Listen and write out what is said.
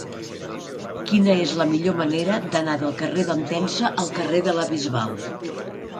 Quina és la millor manera d'anar del carrer d'Entença al carrer de la Bisbal?